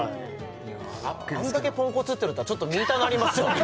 あんだけポンコツって言われたらちょっと見たなりますよね